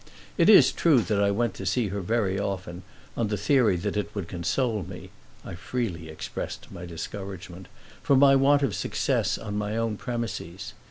It is true that I went to see her very often, on the theory that it would console me (I freely expressed my discouragement) for my want of success on my own premises.